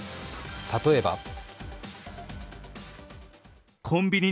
例えば